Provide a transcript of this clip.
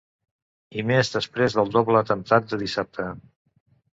I més després del doble atemptat de dissabte.